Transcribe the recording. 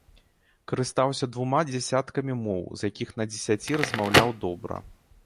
Карыстаўся двума дзясяткамі моў, з якіх на дзесяці размаўляў добра.